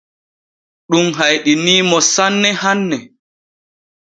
Ɗum hayɗinii mo sanne hanne.